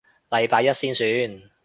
禮拜一先算